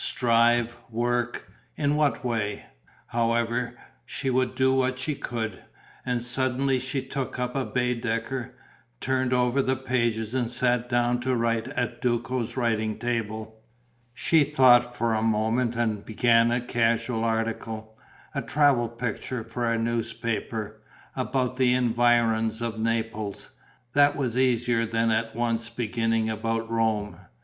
Strive? Work? In what way? However, she would do what she could. And suddenly she took up a Baedeker, turned over the pages and sat down to write at Duco's writing table. She thought for a moment and began a casual article, a travel picture for a newspaper, about the environs of Naples: that was easier than at once beginning about Rome.